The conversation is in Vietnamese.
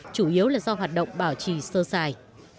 chủ yếu là do hoạt động bảo trì sơ sài